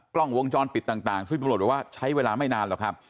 กล้องวงจรปิดต่างซึ่งตำรวจบอกว่าใช้เวลาไม่นานหรอกครับ